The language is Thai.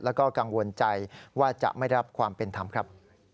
แล้วก็กังวลใจว่าจะไม่รับความเป็นธรรมครับ